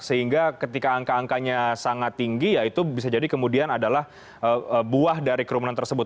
sehingga ketika angka angkanya sangat tinggi ya itu bisa jadi kemudian adalah buah dari kerumunan tersebut